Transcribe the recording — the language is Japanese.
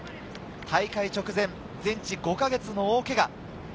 大会直前、全治５か月の大けが。